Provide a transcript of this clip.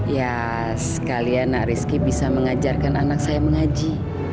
ya sekalian rizky bisa mengajarkan anak saya mengaji